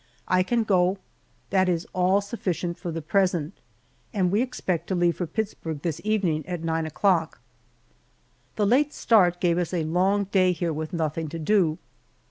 I can go that is all sufficient for the present, and we expect to leave for Pittsburg this evening at nine o'clock. The late start gives us a long day here with nothing to do.